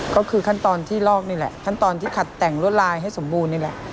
ก็คือขั้นตอนที่ลอกนี่แหละขั้นตอนที่ขัดแต่งรวดลายให้สมบูรณ์นี่แหละ